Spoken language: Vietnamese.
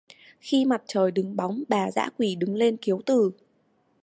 Khi mặt trời đứng bóng bà dã quỳ đứng lên kiếu từ